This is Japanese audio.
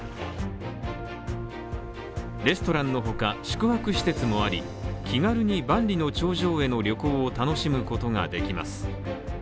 レストランのほか、宿泊施設もあり、気軽に万里の長城への旅行を楽しむことができます。